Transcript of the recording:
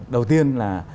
đầu tiên là